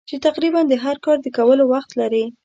چې تقریباً د هر کار د کولو وخت لرې.